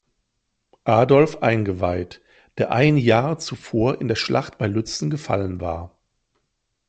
Adolf eingeweiht, der ein Jahr zuvor in der Schlacht bei Lützen gefallen war.